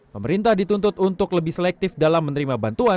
pemerintah dituntut untuk lebih selektif dalam menerima bantuan